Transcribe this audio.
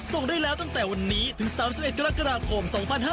ส่งได้แล้วตั้งแต่วันนี้ถึง๓๑กรกฎาคม๒๕๕๙